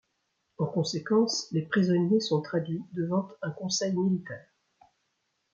En conséquence, les prisonniers sont traduits devant un conseil militaire.